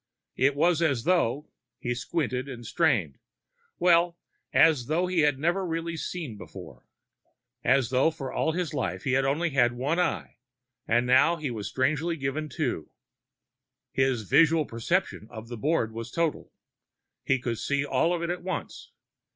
It was as though he squinted and strained well, as though he had never really seen before. As though for all his life he had had only one eye, and now he had strangely been given two. His visual perception of the board was total. He could see all of it at once.